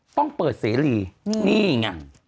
ต้องเปิดเสรีนี่ไง